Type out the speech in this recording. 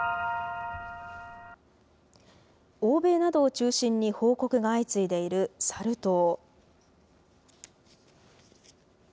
欧米などを中心に報告が相次いでいるサル痘。